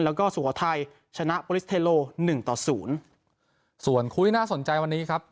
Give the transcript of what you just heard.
แล้วก็สวทัยชนะหนึ่งต่อศูนย์ส่วนคุยน่าสนใจวันนี้ครับ